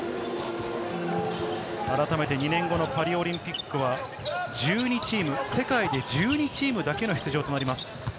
改めて、２年後のパリオリンピックは１２チーム、世界で１２チームだけの出場となります。